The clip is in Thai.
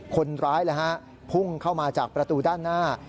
คนร้ายพุ่งเข้ามาจากประตูด้านหน้า